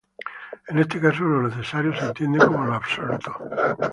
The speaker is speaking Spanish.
En este caso lo necesario se entiende como lo absoluto.